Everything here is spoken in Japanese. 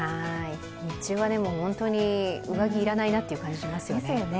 日中は本当に上着要らないなという感じ、しますよね。